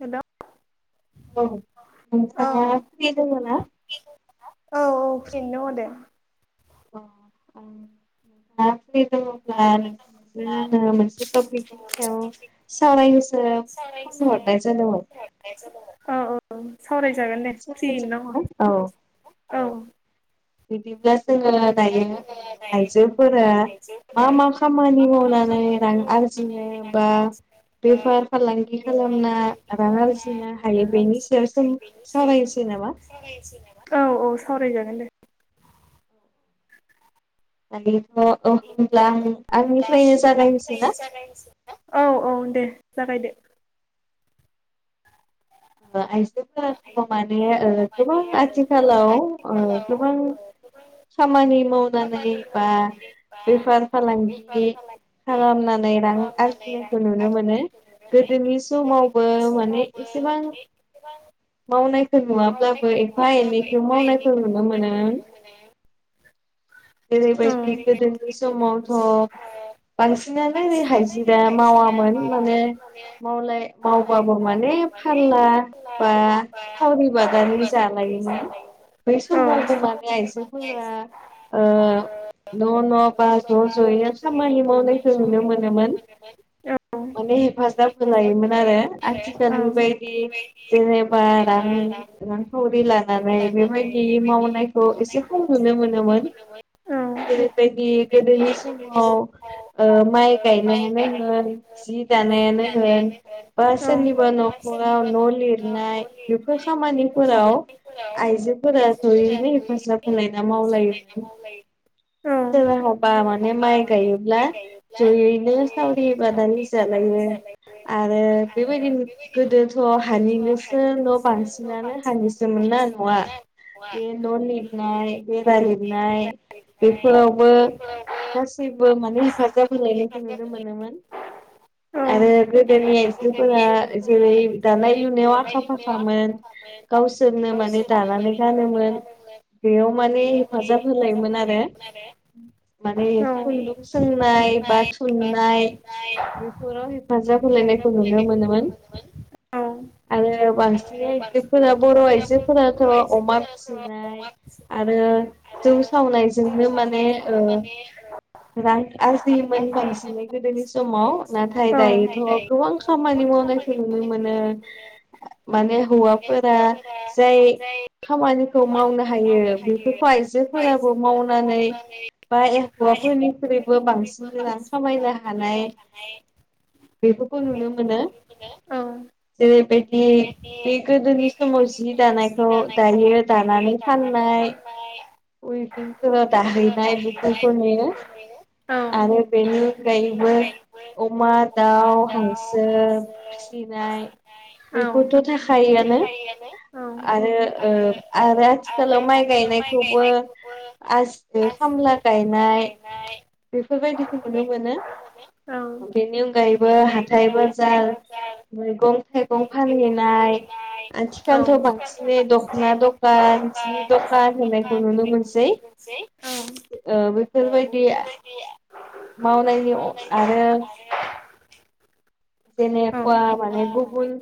हेल'। औ नोंथांङा फ्रि दंङ ना? औ औ फ्रियैनो दंङ दे। अ ओं दा फ्रि दंङब्ला नों आंङो मोनसे टपिकनि सायाव सावरायनोसो फन हरनाय जादोंमोन। अ औ। सावरायजागोन दे फ्रियैनो दङ औ औ बिदिब्ला जोंङो दायो। आइजोफोरा मा मा खामानि मावनानै रां आरजिनो बा बेफार फालांगि खालामना रां आरजिनो हायो बेनि सायाव जों सावरायनिसै नामा? औ औ सावरायजागोन दे [unintelligible] होनोब्ला आं आंनिफ्रायनो जागायनोसै ना? औ औ दे जागायदो। ओ आइजो [unintelligible] खामानि मावनानै बा बेफार फालांगि खालामनानै नै रां आरजिनायखौ नुनो मोनो गोदोनि समावबो माने एसेबां मावनायखौ नुवाब्लाबो एफा एनैखौ मावनायखौ नुनो मोनो [inaudible] औ ओरैबायदि गोदोनि समावथ' बांसिनानो हाजिरा मावा माने मावलाय मावबाबो माने फानला बा सावरि बादारि जालायोमोन बै औ समाव माने आइजोफोरा ओ न' न' बा ज' ज'यैनो खामानि मावनायखौ नुनो मोनोमोन औ माने हेफाजाब होलायोमोन आरो आथिखालनि औ बायदि जोंङो बा रां-रांखावरि लानानै बेबायदि मावनायखौ एसे खम नुनो मोनो मोन जेरैबायदि गोदोनि समाव ओ माइ गायनायानो होन जि दानायानो होन बा सोरनिबा न' खराव न' लिरनाय बेफोर खामानिफोराव आइजोफोरा जयैनो हेफाजाब होलायना मावलायोमोन औ सोरहाबा माने माइ गायोब्ला जयैनो सावरि बादालि जालायो आरो बेबायदिनो गोदोथ' हानिनोसो न' बांसिनानो हानिसोमोना न'आ बे न' लिरनाय बेरा लिरनाय बेफोरावबो गासैबो माने हेफाजाब होलायनायखौ नुनो मोनोमोन औ औ आरो गोदोनि आइजोफोरा जेरै दानाय लुनाय दानाय लुनायाव आखा फाखामोन गावसोरनो माने गावसोरनो दानानै माने दानानै गानोमोन बेयाव माने हेफाजाब होलायोमोन आरो माने औ औ खुन्दुं सोंनाय बा थुननाय बेफोराव हेफाजाब होलायनायखौ नुनो मोनोमोन औ। आरो बांसिनै आइजोफोरा बर' आइजोफोराथ' अमा फिसिनाय आरो जौ सावनायजोंनो माने ओ रां आरजियोमोन बांसिनै गोदोनि समाव नाथाय दायोथ' गोबां खामानि मावनायखौ नु नुनो मानो माने हौवाफोरा जाय खामानिखौ मावनो हायो बेफोरखौ आइजोफोराबो मावनानै बा एह हौवाफोरनिख्रुइबो बांसिन रां खामायनो हानाय बेफोरखौ नुनो मोनो जेरै बेदि बे गोदोनि समाव जि दानायखौ दायो दानानै फाननाय [inaudible] उइभिंफोराव दाहैनाय बेफोरखौ नुयो आरो बेनि अनगायैबो ओ अमा दाउ हांसो फिसिनाय बेफोरथ' थाखायो आनो औ आरो ओ आरो आथिखालाव माइ गायनायखौबो आज [unintelligible] ओ खामला गायनाय बे बेफोरबायदिखौ नुनो मोनो। बेनि अनगायैबो हाथाय बाजार मैगं थाइगं फानहैनाय आथिखालथ' बांसिनै दखना दकान जि दकान होननायखौ नुनो मोनसै ओ बेफोरबायदि आ मावनायनि अ आरो जेनेकुवा माने गुबुन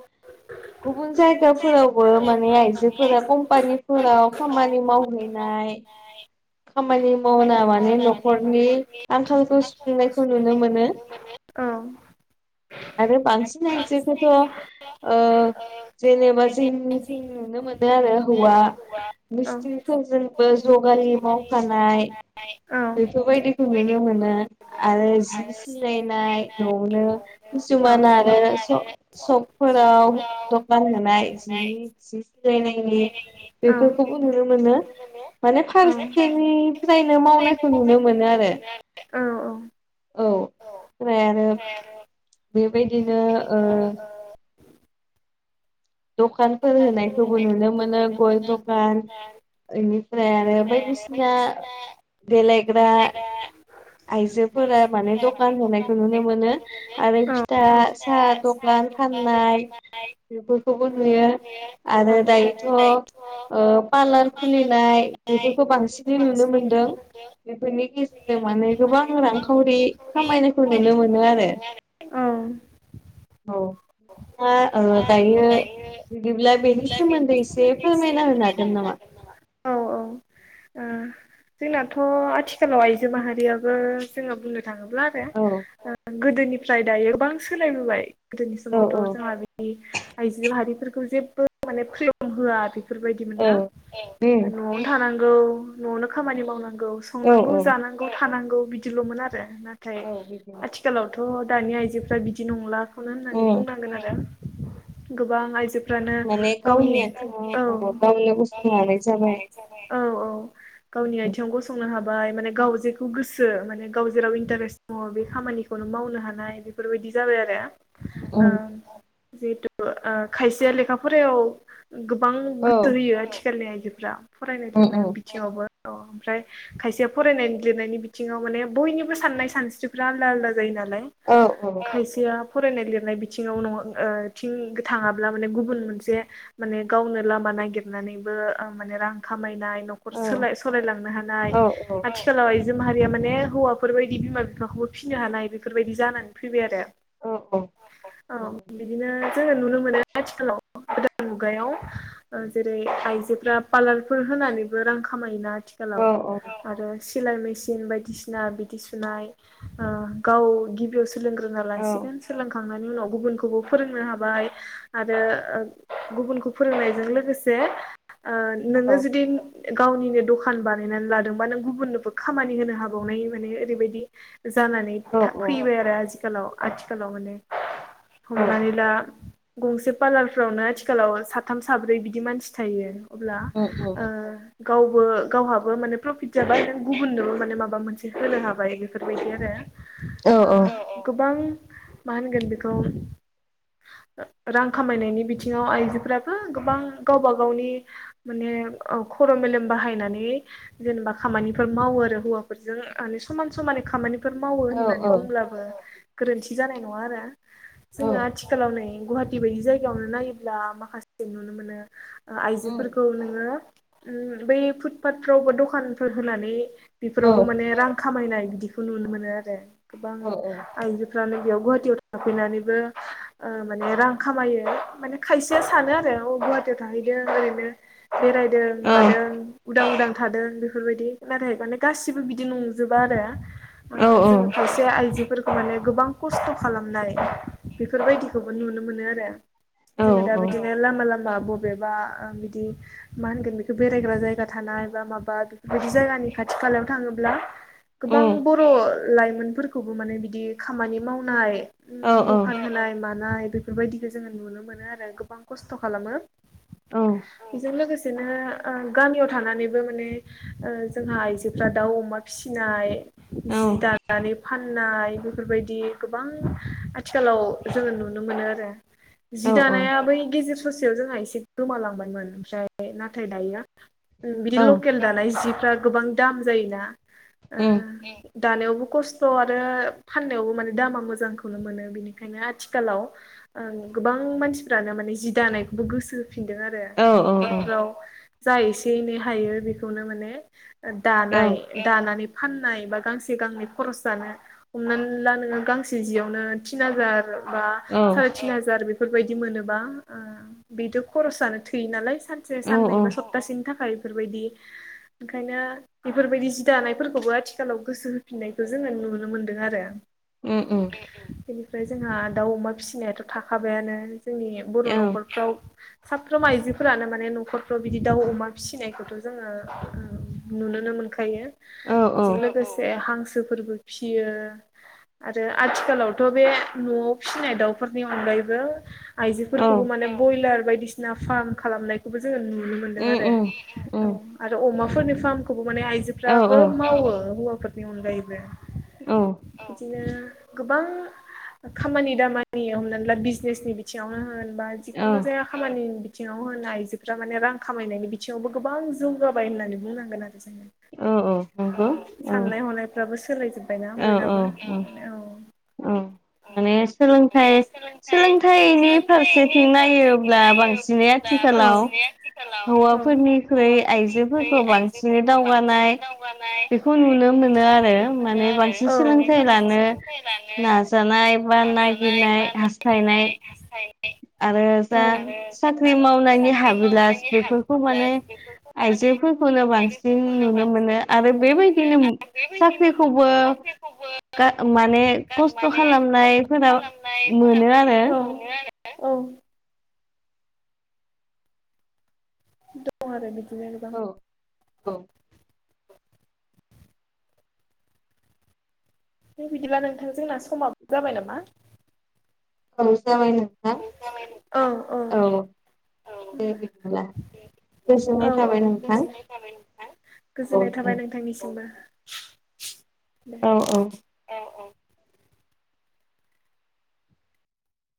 गुबुन जायगाफोरावबो माने आइजोफोरा कम्पानिफोराव खामानि मावहैना नाय खामानि मावना माने नखरनि आंखालखौ सुफुंनायखौ नुनो मोनो [inaudible] औ आरो बांसिन आयजोखोथ' ओ जेनेबा जोंनिथिं नुनो मोनो आरो हौवा औ मिस्ट्रिफोरजोंबो जगालि मावफानाय बेफोरबायदिखौ नुनो मोनो आरो जि सिलायनाय न'आवनो औ किसुमाना आरो समायना स सक फोर राव दकान होनाय जिनि जि सिलायनायनि बेफोरखौबो नुनो मोनो माने फारसेनिफ्रायनो मावनायखौ नुनो मोनो आरो [unintelligible] [unintelligible] फ्राय आरो बेबायदिनो ओ दकानफोर होनायखौबो नुनो मोनो गय दकान इनिफ्राय आरो बायदिसिना देलायग्रा आइजोफोरा माने दखान होनायखौ नुनो मोनो आरो फिथा साहा दखान कान फाननाय बेफोरखौबो नुयो आरो दायोथ' ओ पार्लार खुलिनाय बेफोरखौ बांसिनै नुनो मोनदों बेफोरनि गेजेराव नो गोबां रांखावरि खामायनायखौ नुनो मोनो आरो औ नोंथाङा दायो बिदिब्ला बेनि सोमोन्दै एसे फोरमायना होनो हागोन नामा हागोन नामा औ - औ ओह जोंनाथ' आथिखालाव आइजो माहारियाबो जोङो बुंनो थाङोब्ला आरो औ ओ गोदोनिफ्राय दायो गोबां सोलायबोबाय गोदोनि औ समावथ जोंहा बेदि आइजो माहारिफोरखौ जेबो माने फ्रिदम होआ बेफोरबायदिमोन औ ना उम न'आवनो थानांगौ न'आवनो खामानि मावनांगौ गौ औ संनांगौ औ जानांगौ थानांगौ बिदिलमोन आरो नाथाय औ बिदिनो आथिखालावथ गोबां अ दानि आइजोफ्रा बिदि नंलाखौनो होननानै उम बुंनांगोन आरो गोबां आइजो दानो माने गावनि आथिङाव [unintelligible] अ गावनो गसंनानै जाबाय औ -औ- औ गावनि उम आयथिंआव गसंनो हाबा बाय माने गाव जेखौ गोसो माने गाव जेराव इन्टारेस दङ बे खामानिखौनो मावनो हानाय बेफोरबायदि जाबाय आरो औ - औ ओं जिहेथु ओ खायसेया लेखा फरायाव गोबां औ गोसो होयो आरोखि गेलनि आइजोफोरा फरायनाय उम लिरनाय उम बिथिङावबो औ ओमफ्राय खायसेया फरायनायनि लिरनायनि बिथिङाव माने बयनिबो साननाय सानस्रिफ्रा आलदा आलदा जायोनालाय औ औ खायसेया फरायनाय लिरनाय बिथिंआव ओ इथिं थाङाब्ला माने गुबुन मोनसे माने गावनो लामा नागिरनानै नानैबो ओ माने रां खामायनाय नखर औ सालाययनो हानाय औ आथिखालाव जों माहारिया माने हौवाफोरबायायदि बिमा- बिफाखौबो फिसिनो हानाय बेफोरबायदि जानानै फैबाय आरो औ औ औ बिदिनो जोङो नुनो मोनो आथिखालाव गोदान मुगायाव जेरै आइजोफोरा पार्लारफोर होनानैबो रां खामाय ना औ आथिखालाव आरो सिलाय मेसिन बायदिसिना बिदि सुनाय गाव गिबियाव सोलोंग्रोना लासिगोन सोलोंखांनायनि उनाव गुबुनखौबो फोरोंनो हाबाय आरो गुबुनखौ फोरोंनायजों लोगोसे लोगोसे ओ नोङो जुदि गावनिनो दखान बानायनानै लादोंबा नों गुबुननोबो खामानि होनो हाबावनाय माने ओरैबायदि जानानै औ था फैबाय आरो आथिखालाव आथिखालाव माने औ हमनानै ला गंसे पार्लारफ्रावनो आथिखालाव साथाम, साब्रै बिदि मानसि थायो। अब्ला उम उम ओ गावबो गावहाबो माने प्रफिट जाबाय नों गुबुननो माने माबा मोनसे होनो हाबाय बेफोरबायदि औ आरो। गोबां मा होनगोन बेखौ रां खामायनायनि बिथिङाव आइजोफोराबो- गोबां गावबा गावनि माने खर' मेलेम बाहायनानै जेनेबा खामानि मावो आरो हौवाफोरजों माने समान समानै खामानि बेफोर मावो औ होननानै औ बुंब्लाबो गोरोन्थि जानाय नङा आरो जोङो उम आथिखालाव नै गुवाहाटि बायदि जायगायावनो नायोब्ला माखासे नुनो मोनो आइजोफोरखौ नोङो बै फुटपाटफोरावबोा दखानफोर होनानै औ बेफोरावबो माने रां खामायनाय बिदिखौ नुनो मोनो आरो गोबां औ आइजोफ्रानो बेयाव गुवाहाटिीयाव थाफैनानैबो ओ माने रां खामायो माने खायसेया सानो आरो गुवाहाटियाव थाहैदों ओरैनो बेरायदों मादों उदां उदां थादों बेफोरबायदि नाथाय माने गासिबो बिदि नंजोबा आरो औ उम जोङो औ उम एसे आइजोफोरखौ माने गोबां खस्थ' खालामनाय बेफोरबायदिखौबो नुनो मोनो आरो जोङो दा बिदिनो लामा लामा बबेबा माहोनो बेरायग्रा जायगा थानाय माबा खाथि खालायाव थाङोब्ला गोबां बर' लाइमोनफोरखौबो माने बिदि खामानि मावनाय दखान होनाय म ानाय बेफोरबायदिखौ जोङो नुनो मोनो आरो गोबां खस्थ' खालामो। बेजों लोगोसेनो ओ गामियाव थानानैबो ओ माने जोंहा आइजोफ्रा दाउ अमा फिसिनाय जि दानानै फाननाय बेफोरबायदि गोबां आथिखालाव जोङो नुनो मोनो आरो जि दानाया बै गेजेर ससेयाव जोंहा एसे गोमालांबायमोन ओमफ्राय नाथाय दायो बिदि लकेल दानाय जिफ्रा गोबां दाम जायोना दानायावबो खस्थ' आरो फाननायावबो माने दामा मोजांखौनो मोनो बिनिखायनो आथिखालाव गोबां मानसिफ्रानो माने जि दानायखौबो गोसो होफिनदों आरो औ औ औ न'खरफ्राव जा एसे एनै हायो बेखौनो माने- औ दानाय दानानै फाननाय बा गांसे गांनै खरस जानो हमनानै ला नोङो गांसे जियावनो थिन हाजार बा साराय औ थिन हाजार बेफोरबायदि मोनोबा बेथ' खरसजानो थोयो नालाय सानसे औ साननै बा सप्तासेनि थाखाय फोरबायदि ओंखायनो बेफोरबायदि जि दानायफोरखौबो आथिखालाव गोसो होफिननायखौ जोङो नुनो मोन दों आरो उम उम बेनिफ्राय जोंहा दाउ अमा फिसिनायाथ' थाखाबायानो जोंनि बर' औ न'खरफ्राव साफ्रोम आइजोफोरानो माने न'खरफ्राव बिदि दाउ अमा फिसिनायखौथ' जोङो ओ नुनोनो मो मोनखायो औ औ बेजों लोगोसे हांसोफोरबो फियो । आरो आथिखालावथ' बे न'आव फिसिनाय दाउफोरनि अनगायैबो औ आइजोफोरखौबो माने बयलार बायदिसिना फार्म खालामनायखौबो जोङो नुनो मोनदों उम आरो उम । उम औ आरो अमाफोरनि फार्मखौबो माने औ आइजोफ्राबो मावो हौवाफोरनि अनगायैबो । औ । औ बिदिनो गोबां खामानि दामानि हमनानै ला बिजनेसनि बिथिङावनो होन बा जिखुनु औ जाया खामानि बिथ थिङाव होन आइजोफ्रा माने रां खामायनायनि बिथिङावबो गोबां जौगाबाय होननानै बुंनांगोन आरो जोङो । औ औ नंगौ औ । फ्राबो सोलायजोबबायना बयनाबो औ औ औ माने सोलोंथाइ सोलोंथाइनि फारसेथिं नायोब्ला बांसिनै आथि आबा औ हारसिङै आथिखालाव औ हौवाफोरनिख्रुइ आइजोफोरखौ बांसिनै आइजोफोरखौ दावगानाय बांसिनै दावगा बेखौ नुनो मोनो आरो माने बांसिन सोलोंथा थायलानो नाजानाय बा नागिरनाय हास्थायनाय आरो जा साख्रि मावनायनि हाबिलास बेफोरखौ माने आइ जोफोरखौनो बांसिन नुनो मोनो आरो बेबायदिनो साख्रिखौबो गा माने खस्थ' खालामनायफोरा मोनो आरो औ । औ । दं आरो बिदिनो गोबां। औ औ हो बिदिब्ला नोंथांजोंना समाब जाबाय नामा? औ जाबाय नोंथां औ । दे बिदिब्ला। औ गोजोननाय औ थाबाय दे । नोंथां गोजोननाय थाबाय नोंथां। औ गोजोननाय थाबाय दे नोंथांनिसिमबो । दे औ औ औ ।